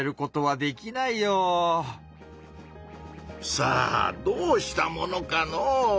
さあどうしたものかのう。